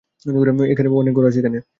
অনেক ঘর আছে এখানে।